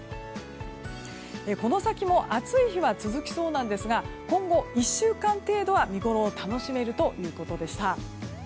この先も暑い日は続きそうなんですが今後１週間程度は、見ごろを楽しめるということでした。